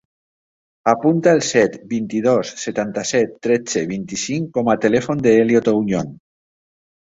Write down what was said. Apunta el set, vint-i-dos, setanta-set, tretze, vint-i-cinc com a telèfon de l'Elliot Auñon.